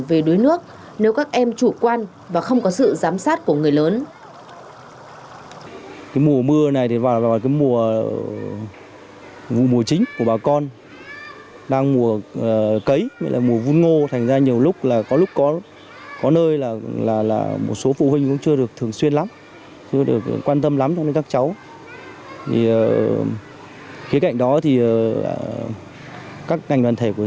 về đối nước nếu các em chủ quan và không có sự giám sát của người lớn